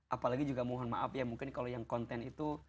apalagi juga mohon maaf ya mungkin kalau yang konten itu